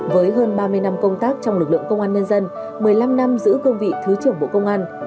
với hơn ba mươi năm công tác trong lực lượng công an nhân dân một mươi năm năm giữ cương vị thứ trưởng bộ công an